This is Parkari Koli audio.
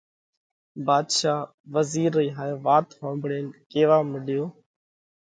ڀاڌشا وزِير رئي هائي وات ۿومڀۯينَ ڪيوا مڏيو: